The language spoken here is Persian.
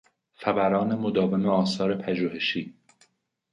فوران مداوم آثار پژوهشی